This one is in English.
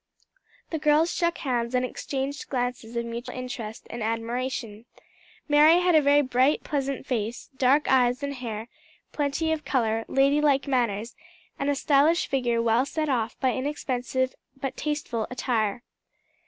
The girls shook hands and exchanged glances of mutual interest and admiration. Mary had a very bright, pleasant face, dark eyes and hair, plenty of color, lady like manners, and a stylish figure well set off by inexpensive but tasteful attire.